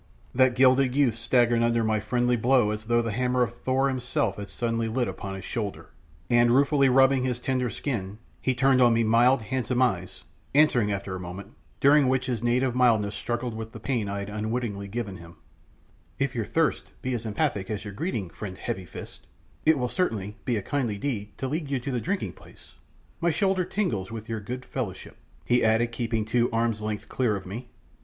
That gilded youth staggered under my friendly blow as though the hammer of Thor himself had suddenly lit upon his shoulder, and ruefully rubbing his tender skin, he turned on me mild, handsome eyes, answering after a moment, during which his native mildness struggled with the pain I had unwittingly given him "If your thirst be as emphatic as your greeting, friend Heavy fist, it will certainly be a kindly deed to lead you to the drinking place. My shoulder tingles with your good fellowship," he added, keeping two arms' lengths clear of me.